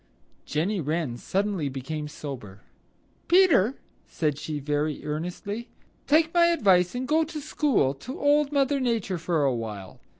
Jenny Wren suddenly became sober. "Peter," said she very earnestly, "take my advice and go to school to Old Mother Nature for awhile.